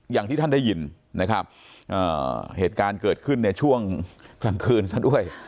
อย่างที่ท่านได้ยินนะครับเหตุการณ์เกิดขึ้นในช่วงกลางคืนซะด้วย